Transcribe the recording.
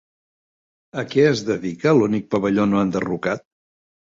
A què es dedica l'únic pavelló no enderrocat?